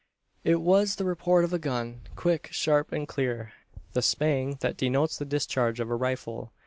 It was the report of a gun, quick, sharp, and clear the "spang" that denotes the discharge of a rifle.